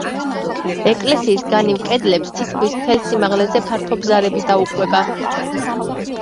ეკლესიის განივ კედლებს თითქმის მთელ სიმაღლეზე, ფართო ბზარები დაუყვება.